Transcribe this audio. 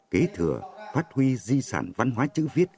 kế thừa phát huy di sản văn hóa chữ viết